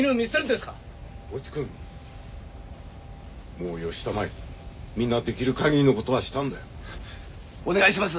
⁉越智君もうよしたまえみんなできるかぎりのことはしたんだよお願いします